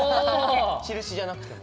印じゃなくても？